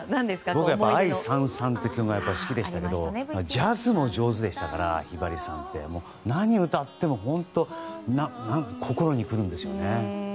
僕は「愛燦燦」が好きでしたけどジャズも上手でしたからひばりさんって何を歌っても心にくるんですよね。